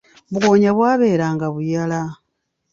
Bugoonya bwaberanga buyala.